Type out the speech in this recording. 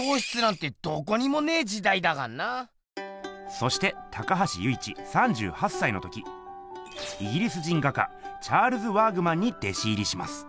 そして高橋由一３８歳のときイギリス人画家チャールズ・ワーグマンに弟子入りします。